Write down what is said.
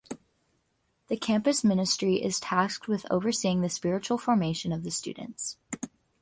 The Campus Ministry is tasked with overseeing the spiritual formation of the students.